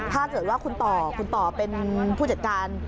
ถ้าเกิดว่าคุณต่อคุณต่อเป็นผู้จัดการ